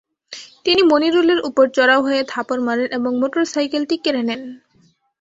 তিনি মনিরুলের ওপর চড়াও হয়ে থাপড় মারেন এবং মোটরসাইকেলটি কেড়ে নেন।